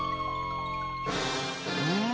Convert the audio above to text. うん。